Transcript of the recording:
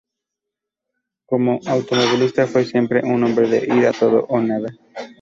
Como automovilista fue siempre un hombre de ir a todo o nada.